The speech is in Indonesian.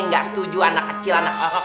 gak setuju anak kecil anak orok